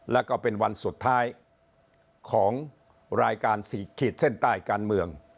แล้วก็เป็นวันสุดท้ายของรายการขีดเส้นใต้การเมือง